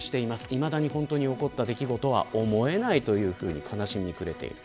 いまだに本当に起こった出来事とは思えないというふうに悲しみに暮れている。